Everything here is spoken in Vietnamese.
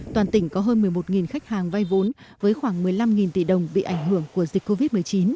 toàn tỉnh có hơn một mươi một khách hàng vay vốn với khoảng một mươi năm tỷ đồng bị ảnh hưởng của dịch covid một mươi chín